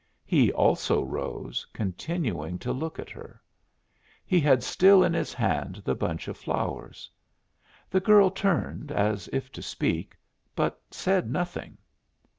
He also rose, continuing to look at her. He had still in his hand the bunch of flowers. The girl turned, as if to speak, but said nothing.